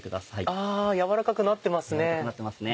あ軟らかくなってますね。